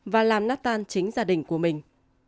và làm nát tan chính gia đình của mình